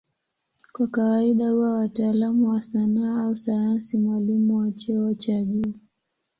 Kwa kawaida huwa mtaalamu wa sanaa au sayansi, mwalimu wa cheo cha juu.